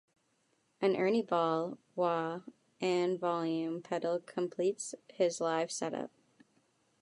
An Ernie Ball wah and volume pedal completes his live setup.